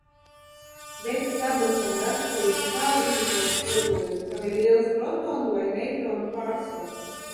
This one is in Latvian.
Bēta sabrukšana raksturīga tādu izotopu kodoliem, kam ir liels protonu vai neitronu pārsvars.